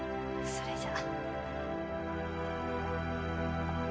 それじゃ。